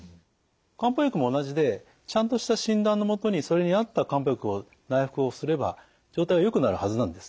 漢方薬も同じでちゃんとした診断の下にそれに合った漢方薬を内服をすれば状態はよくなるはずなんです。